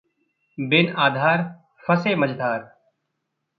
बिन आधार, फंसे मझधार